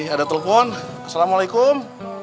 ada telepon assalamualaikum